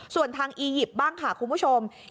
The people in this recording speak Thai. ส่วนทางอียิปต์บ้างค่ะคุณผู้ชม